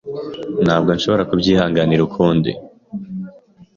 Ntabwo nshobora kubyihanganira ukundi.